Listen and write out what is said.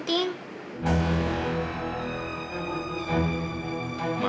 sekarang bagai mu